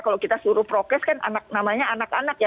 kalau kita suruh prokes kan namanya anak anak ya